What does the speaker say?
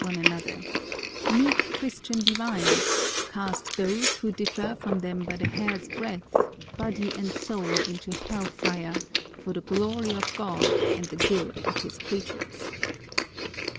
one another : meek Christian divines cast those who differ from them but a hair s breadth, body and soul into hell fire for the glory of God and the good of His creatures